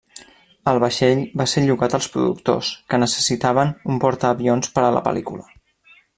El vaixell va ser llogat als productors, que necessitaven un portaavions per a la pel·lícula.